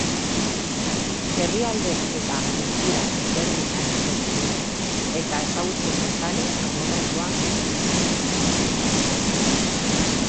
Herrialde eta kultura ezberdinak deskubritu eta ezagutzeko zale amorratua naiz.